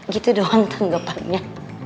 gitu doang tanggapannya